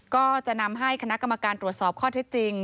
ก็จะนำให้คณะกรรมการตรวจสอบข้อเท็จจริง